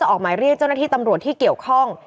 ออกหมายเรียกเจ้าหน้าที่ตำรวจที่เกี่ยวข้อง